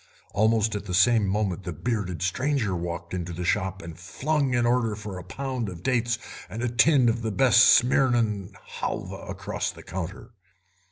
Almost at the same moment the bearded stranger stalked into the shop, and flung an order for a pound of dates and a tin of the best Smyrna halva across the counter.